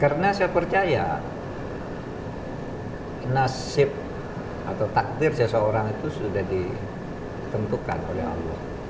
karena saya percaya nasib atau takdir seseorang itu sudah ditentukan oleh allah